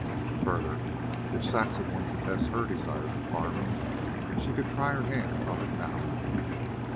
Further, if Saxon wanted to test HER desire for farming, she could try her hand on the cow.